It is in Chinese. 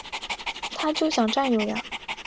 他就想占有呀